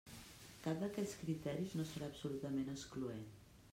Cap d'aquests criteris no serà absolutament excloent.